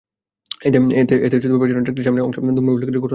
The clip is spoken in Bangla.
এতে পেছনের ট্রাকটির সামনের অংশ দুমড়ে-মুচড়ে গেলে ঘটনাস্থলেই চালক সুজন মারা যান।